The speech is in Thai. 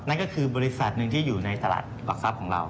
นั่นก็คือบริษัทหนึ่งที่อยู่ในตลาดหลักทรัพย์ของเรา